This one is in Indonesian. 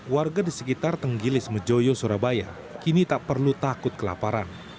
warga di sekitar tenggilis mejoyo surabaya kini tak perlu takut kelaparan